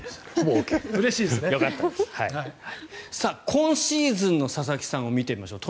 今シーズンの佐々木さんを見てみましょう。